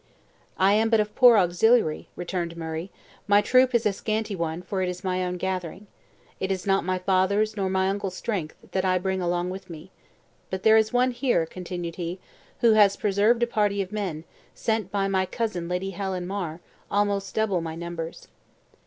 "I am but a poor auxiliary," returned Murray; "my troop is a scanty one, for it is my own gathering. It is not my father's nor my uncle's strength, that I bring along with me. But there is one here," continued he, "who has preserved a party of men, sent by my cousin Lady Helen Mar, almost double my numbers."